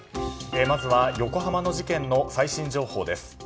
まずは横浜の事件の最新情報です。